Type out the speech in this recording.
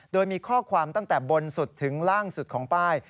โดยมีข้อความตั้งแต่บนสุดถึงล่างสุดของป้าย